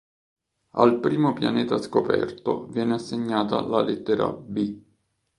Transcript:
Al primo pianeta scoperto viene assegnata la lettera "b".